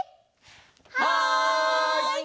はい！